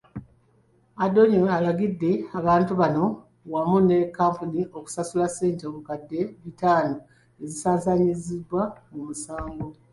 Adonyo alagidde abantu bano wamu ne kkampuni okusasula ssente obukadde bitaano ezisaasaanyiziddwa mu musango.